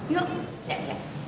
yuk yuk yuk